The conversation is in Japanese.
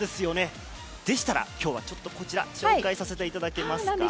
でしたら今日はこちらを紹介させていただけますか。